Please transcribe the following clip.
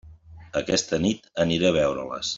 Aquesta nit aniré a veure-les.